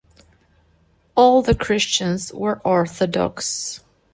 All the Christians were Orthodox.